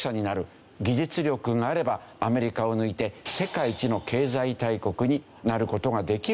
技術力があればアメリカを抜いて世界一の経済大国になる事ができるんだ。